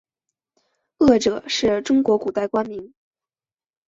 谒者是中国古代官名。